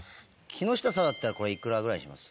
木下さんだったらこれ幾らぐらいにします？